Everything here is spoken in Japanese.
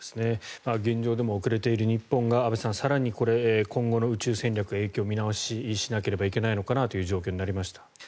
現状でも遅れている日本が安部さん更に今後の宇宙戦略影響見直ししなきゃいけないのかなという状況になりました。